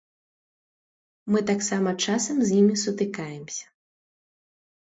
Мы таксама часам з імі сутыкаемся.